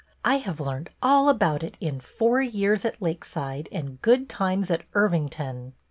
I have learned all about it in 'Four Years at Lakeside' and 'Good Times at Irvington.